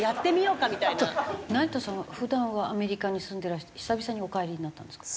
成田さんは普段はアメリカに住んでらして久々にお帰りになったんですか？